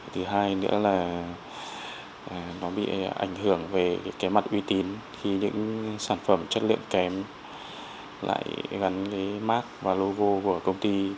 thứ hai nữa là nó bị ảnh hưởng về cái mặt uy tín khi những sản phẩm chất lượng kém lại gắn với mark và logo của công ty